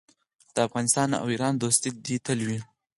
د افغانستان او ایران دوستي دې تل وي.